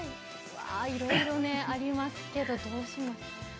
わ、いろいろありますけどどうしましょう。